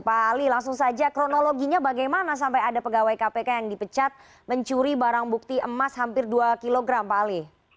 pak ali langsung saja kronologinya bagaimana sampai ada pegawai kpk yang dipecat mencuri barang bukti emas hampir dua kg pak ali